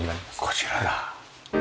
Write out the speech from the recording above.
こちらだ。